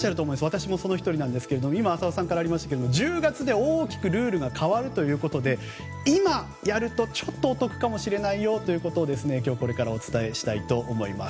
私もその１人ですが浅尾さんからもありましたが１０月からルールが変わるということで今やると、ちょっとお得かもしれないよということを今日はこれからお伝えしたいと思います。